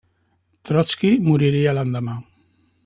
Trotski moriria l'endemà.